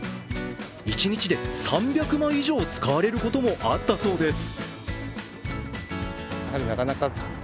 一日で３００枚以上、使われることもあったそうです。